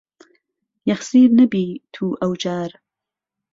يهخسير نهبی تو ئهو جار